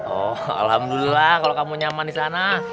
oh alhamdulillah kalau kamu nyaman di sana